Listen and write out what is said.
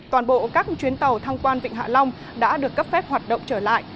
toàn bộ các chuyến tàu tham quan vịnh hạ long đã được cấp phép hoạt động trở lại